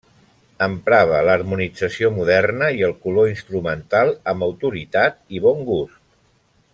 Emprava l'harmonització moderna i el color instrumental amb autoritat i bon gust.